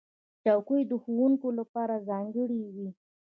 چوکۍ د ښوونکو لپاره ځانګړې وي.